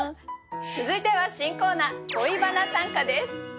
続いては新コーナー「恋バナ短歌」です。